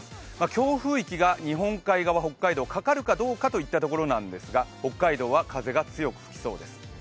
強風域が日本海側、北海道、かかるかどうかといったところなんでてすが、北海道は風が強く吹きそうです。